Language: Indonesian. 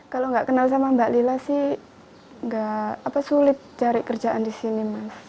kalau nggak kenal sama mbak lila sih nggak sulit cari kerjaan di sini mas